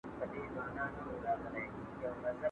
¬ ياران ماران دي، خوړل کوي، نا اشنا ښه دي، اشنا ټکل کوي.